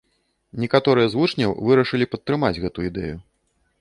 Некаторыя з вучняў вырашылі падтрымаць гэту ідэю.